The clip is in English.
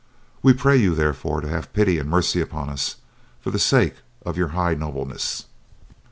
We pray you, therefore, to have pity and mercy upon us for the sake of your high nobleness."